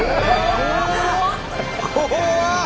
怖っ！